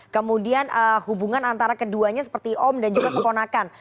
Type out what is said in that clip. kemudian hubungan antara keduanya seperti om dan juga keponakan